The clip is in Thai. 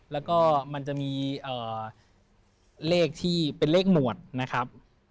แล้วก็มันจะมีเลขที่เป็นเลขหมวดนะครับ